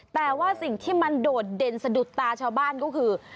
แต่ว่าสิ่งที่มันโดดเด่นสะดุดตาชาวบ้านก็คือ